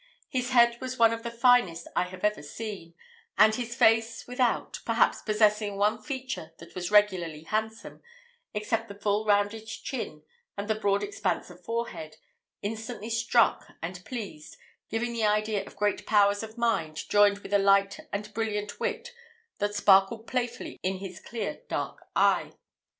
His head was one of the finest I have ever seen; and his face, without, perhaps, possessing, one feature that was regularly handsome, except the full rounded chin and the broad expanse of forehead, instantly struck and pleased, giving the idea of great powers of mind joined with a light and brilliant wit that sparkled playfully in his clear dark eye.